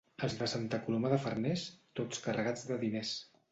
Els de Santa Coloma de Farners, tots carregats de diners.